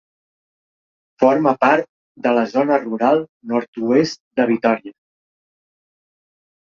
Forma part de la Zona Rural Nord-oest de Vitòria.